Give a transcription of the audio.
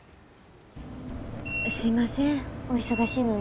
すいませんお忙しいのに。